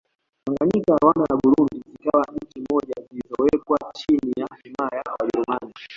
Tanganyika Rwanda na Burundi zikawa nchi moja zilizowekwa chini ya himaya ya Wajerumani